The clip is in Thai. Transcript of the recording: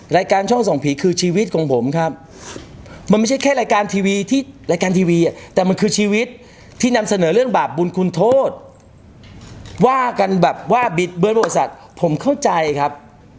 รายการช่องส่องผีคือชีวิตของผมครับมันไม่ใช่แค่รายการทีวีที่รายการทีวีแต่มันคือชีวิตที่นำเสนอเรื่องบาปบุญคุณโทษว่ากันแบบว่าบิดเบิร์ดบริษัทผมเข้าใจครับ